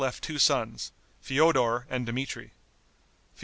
left two sons, Feodor and Dmitri.